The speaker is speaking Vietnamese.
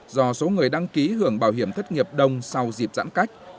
do số người đăng ký hưởng bảo hiểm thất nghiệp đông sau dịp giãn cách